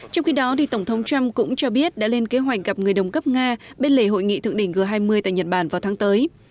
trong khi đó tổng thống trump cũng cho biết đã lên kế hoạch gặp người đồng cấp nga bên lề hội nghị thượng đỉnh g hai mươi tại nhật bản vào tháng tới